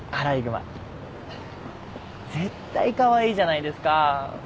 絶対カワイイじゃないですか。